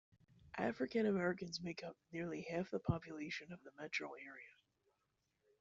African-Americans make up nearly half the population of the metro area.